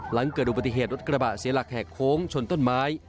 หลังเกิดอุบัติเหตุรถกระบะเสียหลักแหกโค้งชนต้นไม้